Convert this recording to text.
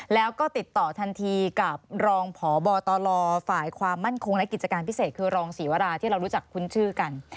แล้วก็ติดต่อทันทีกับรองพบตลฝ่ายความมั่นคงและกิจการพิเศษคือรองศรีวราที่เรารู้จักคุ้นชื่อกัน